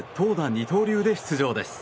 二刀流で出場です。